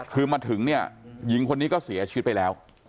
คือมาถึงเนี่ยหญิงคนนี้ก็เสียชีวิตไปแล้ว